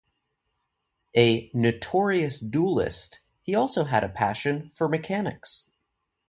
A "notorious duellist", he also had a passion for mechanics.